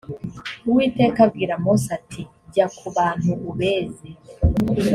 uwiteka abwira mose ati jya ku bantu ubeze